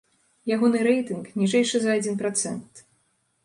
Ягоны рэйтынг ніжэйшы за адзін працэнт.